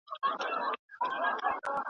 نه بچی وي د کارګه چاته منلی .